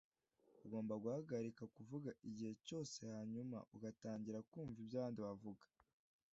Ugomba guhagarika kuvuga igihe cyose hanyuma ugatangira kumva ibyo abandi bavuga